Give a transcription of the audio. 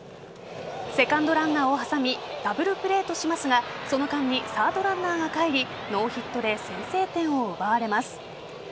セカンドランナーを挟みダブルプレーとしますがその間にサードランナーがかえりノーヒットで先制点を奪われます。